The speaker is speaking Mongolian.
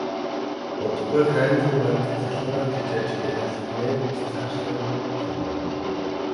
Удахгүй Хайнзан гуайг цалингаараа тэжээж гялайлгах нь ээ гэж цаашлуулан хөхөрнө.